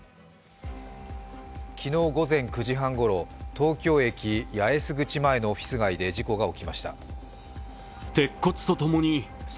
昨日午前９時半ごろ、東京駅八重洲口前のオフィス街で事故が起きました。